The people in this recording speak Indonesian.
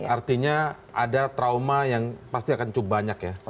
artinya ada trauma yang pasti akan cukup banyak ya